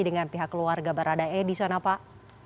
dengan pihak keluarga baradae di sana pak